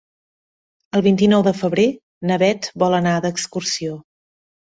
El vint-i-nou de febrer na Bet vol anar d'excursió.